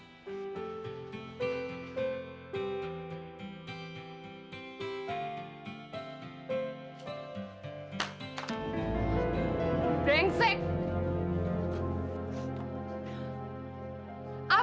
suka sama era